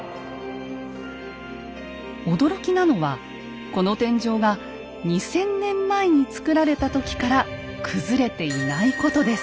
驚きなのはこの天井が２，０００年前に造られた時から崩れていないことです。